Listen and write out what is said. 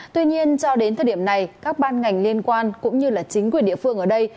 tuy nhiên cho đến thời điểm này các ban ngành liên quan cũng như chính quyền địa phương ở đây